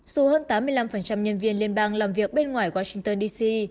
dù hơn tám mươi năm nhân viên liên bang làm việc bên ngoài washington d c